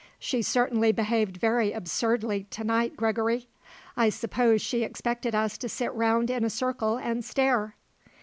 She certainly behaved very absurdly to night, Gregory. I suppose she expected us to sit round in a circle and stare."